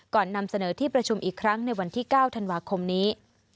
นำเสนอที่ประชุมอีกครั้งในวันที่๙ธันวาคมนี้